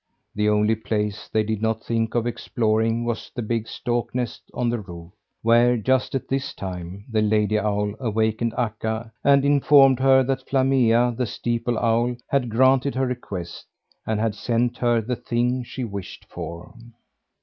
The only place they did not think of exploring was the big stork nest on the roof where, just at this time, the lady owl awakened Akka, and informed her that Flammea, the steeple owl, had granted her request, and had sent her the thing she wished for.